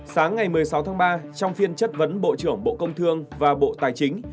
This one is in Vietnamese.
sáng ngày một mươi sáu tháng ba trong phiên chất vấn bộ trưởng bộ công thương và bộ tài chính